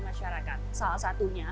kita bisa berpengalaman